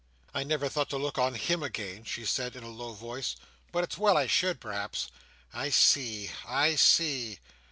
"I never thought to look at him again," she said, in a low voice; "but it's well I should, perhaps. I see. I see!"